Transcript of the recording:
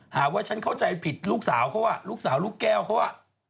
หาว่าฉันเข้าใจผิดลูกสาวเขาอ่ะลูกสาวลูกแก้วเขาอ่ะ